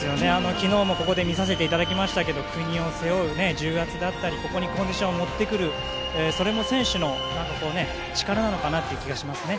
昨日もここで見させていただきましたけど国を背負う重圧だったりここにコンディションを持ってくるそれも選手の力なのかなっていう気がしますね。